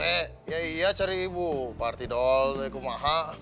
iya iya cari ibu partidol mekumaha